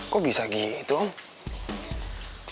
kok bisa gitu om